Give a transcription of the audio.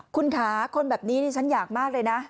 คุณค่ะคนแบบนี้ดิฉันอยากมากเลยนะ